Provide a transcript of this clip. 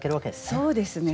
そうですね。